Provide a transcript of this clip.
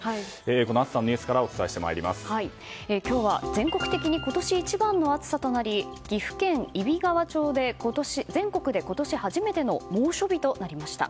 この暑さのニュースから今日は全国的に今年一番の暑さとなり岐阜県揖斐川町で全国で今年初めての猛暑日となりました。